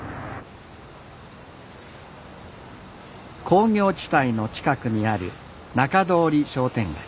工業地帯の近くにある仲通商店街。